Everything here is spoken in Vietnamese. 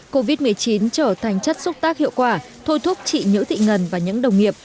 covid một mươi chín trở thành chất xúc tác hiệu quả thôi thúc chị nhữ thị ngân và những đồng nghiệp